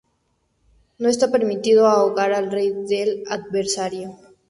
No está permitido "ahogar" al rey del adversario.